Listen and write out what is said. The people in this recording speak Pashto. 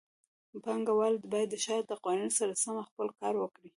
پانګهوال باید د ښار د قوانینو سره سم خپل کار وکړي.